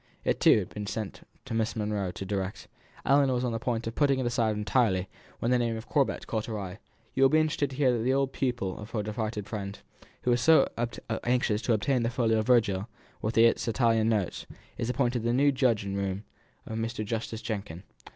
It, too, had been sent to Miss Monro to direct. Ellinor was on the point of putting it aside entirely, when the name of Corbet caught her eye: "You will be interested to hear that the old pupil of our departed friend, who was so anxious to obtain the folio Virgil with the Italian notes, is appointed the new judge in room of Mr. Justice Jenkin.